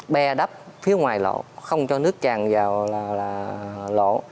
bè đắp phía ngoài lỗ không cho nước chàn vào là lỗ